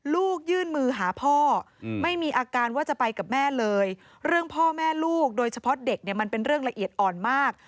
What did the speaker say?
ยื่นมือหาพ่อไม่มีอาการว่าจะไปกับแม่เลยเรื่องพ่อแม่ลูกโดยเฉพาะเด็กเนี่ยมันเป็นเรื่องละเอียดอ่อนมาก